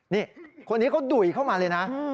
นี่คนนี้เขาดุ่ยเข้ามาเลยนะ